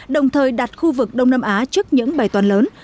đồng thời đặt khu vực đông nam á trước những bài toàn lớn